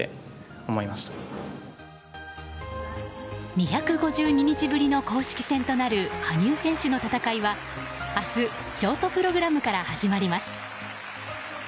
２５２日ぶりの公式戦となる羽生選手の戦いは明日、ショートプログラムから始まります。